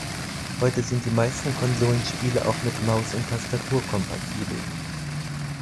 Heute sind die meisten Konsolenspiele auch mit Maus und Tastatur kompatibel.